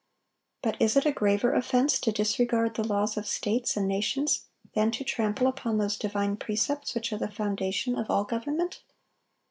But is it a graver offense to disregard the laws of states and nations than to trample upon those divine precepts which are the foundation of all government?